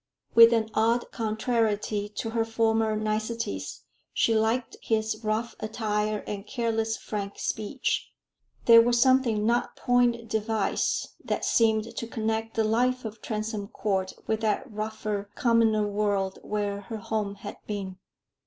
With an odd contrariety to her former niceties she liked his rough attire and careless frank speech; they were something not point device that seemed to connect the life of Transome Court with that rougher, commoner world where her home had been.